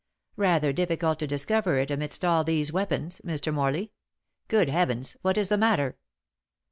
"Rather difficult to discover it amidst all these weapons, Mr. Morley. Good heavens! what is the matter?"